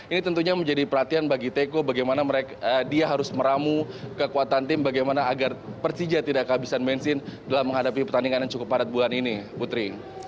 ini tentunya menjadi perhatian bagi teko bagaimana dia harus meramu kekuatan tim bagaimana agar persija tidak kehabisan bensin dalam menghadapi pertandingan yang cukup padat bulan ini putri